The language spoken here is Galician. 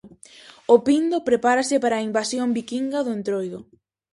O Pindo prepárase para a invasión viquinga do Entroido.